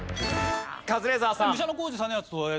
カズレーザーさん。